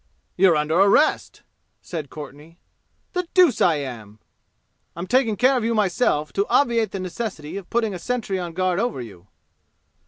"You're under arrest!" said Courtenay. "The deuce I am!" "I'm taking care of you myself to obviate the necessity of putting a sentry on guard over you."